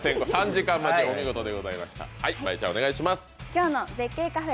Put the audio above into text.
今日の絶景カフェ